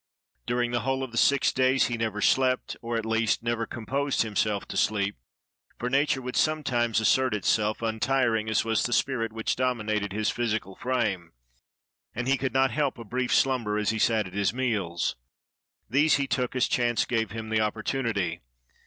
During the whole of the six days he never slept, or, at least, never composed himself to sleep, for nature would sometimes assert itself, untiring as was the spirit which dominated his physical frame, and he could not help a brief slumber as he sat at his meals. These he took as chance gave him the opportunity.